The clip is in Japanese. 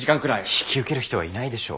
引き受ける人はいないでしょう。